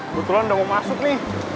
kebetulan udah mau masuk nih